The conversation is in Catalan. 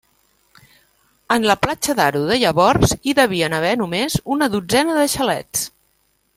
En la Platja d'Aro de llavors hi devien haver només una dotzena de xalets.